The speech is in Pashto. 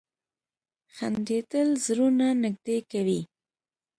• خندېدل زړونه نږدې کوي.